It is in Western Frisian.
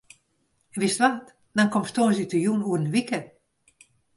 Wist wat, dan komst tongersdeitejûn oer in wike.